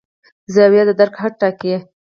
زاویه د درک حد ټاکي.